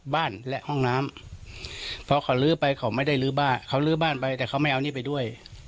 บ้านและห้องน้ำพอเขาลื้อไปเขาไม่ได้ลื้อบ้านเขาลื้อบ้านไปแต่เขาไม่เอานี่ไปด้วย